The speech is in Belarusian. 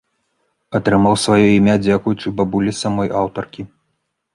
Атрымаў сваё імя дзякуючы бабулі самой аўтаркі.